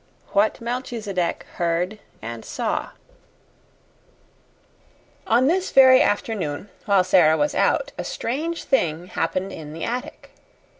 14 What Melchisedec Heard and Saw On this very afternoon, while Sara was out, a strange thing happened in the attic.